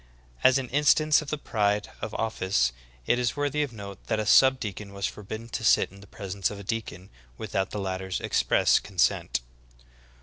As an instance of the pride of of fice, it is worthy of note that a sub deacon was forbidden to sit in the presence of a deacon without the latter's ex press consent^ 7.